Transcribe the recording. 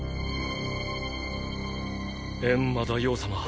エンマ大王様